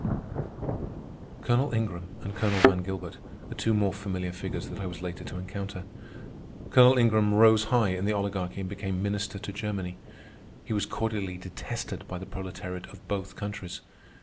Colonel Ingram and Colonel Van Gilbert are two more familiar figures that I was later to encounter. Colonel Ingram rose high in the Oligarchy and became Minister to Germany. He was cordially detested by the proletariat of both countries.